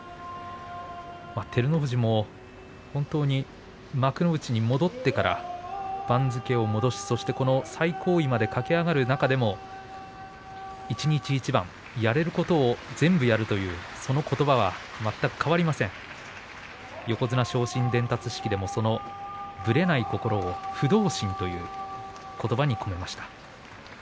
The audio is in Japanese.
照ノ富士も本当に幕内に戻ってから番付を戻し最高位まで駆け上がる中でも一日一番やれることを全部やるというそのことば全く変わりません横綱昇進伝達式でもぶれない心を不動心ということばに込めました。